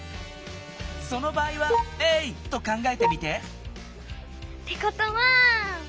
その場合は０と考えてみて！ってことは。